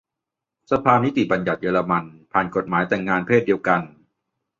สภานิติบัญญัติเยอรมนี ผ่านกฎหมายแต่งงานเพศเดียวกัน